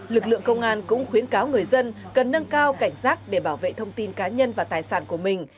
lực lượng công an cũng khuyến cáo người dân cần nâng cao cảnh giác để bảo vệ thông tin cá nhân và tài sản của mình